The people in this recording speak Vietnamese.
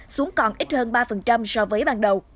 xuống còn ít hơn ba so với ban đầu